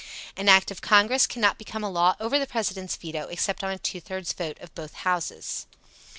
An act of Congress cannot become a law over the President's veto except on a two thirds vote of both houses.